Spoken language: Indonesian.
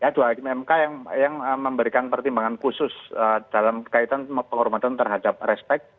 dua hakim mk yang memberikan pertimbangan khusus dalam kaitan penghormatan terhadap respect